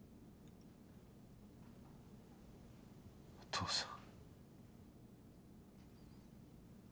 お父さん。